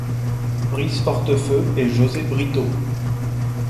Brice Hortefeux et José Brito.